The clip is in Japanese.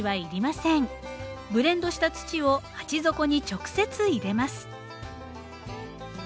ブレンドした土を鉢底に直接入れます。